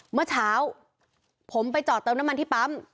เมื่อเช้าผมไปจอดเติมน้ำมันที่ปั๊ม